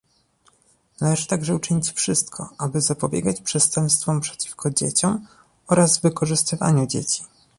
Należy także uczynić wszystko, aby zapobiegać przestępstwom przeciwko dzieciom oraz wykorzystywaniu dzieci